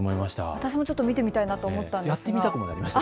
私もちょっと見てみたいなと思いました。